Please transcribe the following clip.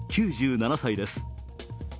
９７歳です。